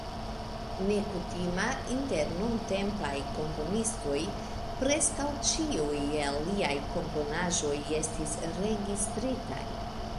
Nekutima inter nuntempaj komponistoj, preskaŭ ĉiuj el liaj komponaĵoj estis registritaj.